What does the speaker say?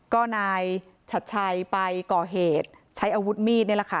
ก็นายชัดชัยไปก่อเหตุใช้อาวุธมีดนี่แหละค่ะ